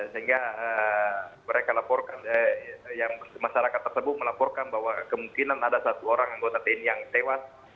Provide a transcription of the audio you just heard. sehingga mereka laporkan yang masyarakat tersebut melaporkan bahwa kemungkinan ada satu orang anggota tni yang tewas